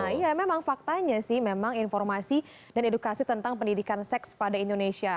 iya memang faktanya sih memang informasi dan edukasi tentang pendidikan seks pada indonesia